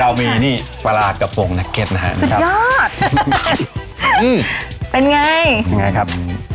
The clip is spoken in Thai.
เรามีนี่ปลาร้ากระโปรงนักเก็ตนะฮะสุดยอดอืมเป็นไงเป็นไงครับ